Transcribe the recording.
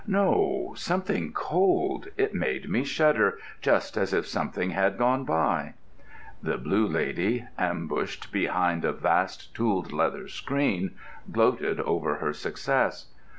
"No—something cold: it made me shudder, just as if something had gone by." The Blue Lady, ambushed behind a vast tooled leather screen, gloated over her success.